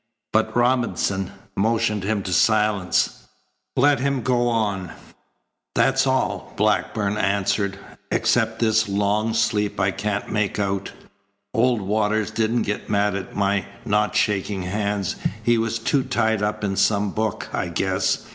But Robinson motioned him to silence. "Let him go on. What happened then?" "That's all," Blackburn answered, "except this long sleep I can't make out. Old Waters didn't get mad at my not shaking hands. He was too tied up in some book, I guess.